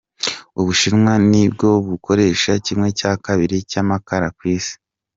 Ubushimwa nibwo bukoresha kimwe cya kabiri cy’amakaara ku isi .